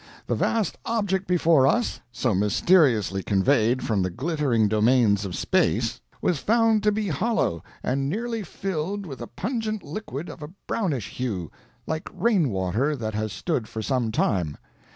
The vast object before us, so mysteriously conveyed from the glittering domains of space, was found to be hollow and nearly filled with a pungent liquid of a brownish hue, like rainwater that has stood for some time.